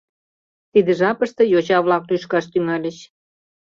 Тиде жапыште йоча-влак лӱшкаш тӱҥальыч.